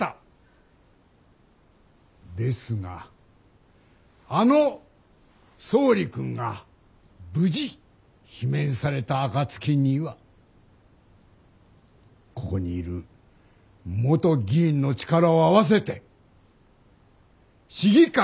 ですがあの総理君が無事罷免された暁にはここにいる元議員の力を合わせて市議会を復活させましょう。